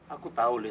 aku tahu liz